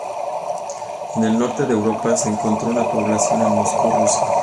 En el norte de Europa, se encontró una población en Moscú, Rusia.